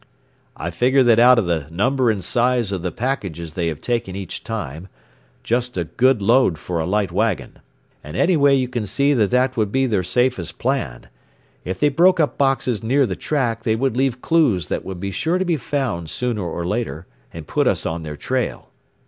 "I figure that out from the number and size of the packages they have taken each time just a good load for a light wagon. And anyway you can see that that would be their safest plan. If they broke up boxes near the track they would leave clues that would be sure to be found sooner or later, and put us on their trail.